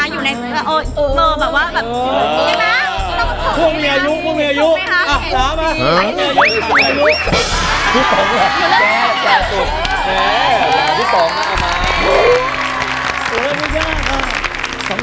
อยู่ในแบบว่าแบบ